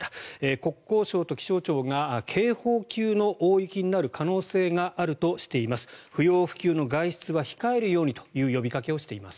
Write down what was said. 国交省と気象庁が警報級の大雪になる可能性があるとしています。